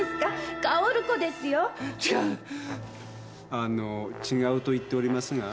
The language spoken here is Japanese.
あのー「違う」と言っておりますが。